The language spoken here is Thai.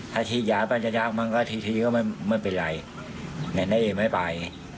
ถ้าทีหยาปัจจักรมากทีก็ไม่เป็นไรแนน่ไม่ไป